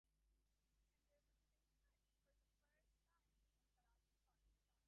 Also he speaks Spanish and Catalan.